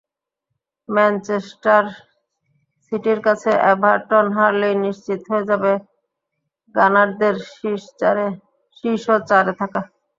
Manchester সিটির কাছে Everton হারলেই নিশ্চিত হয়ে যাবে গানারদের শীর্ষচারে থাকা।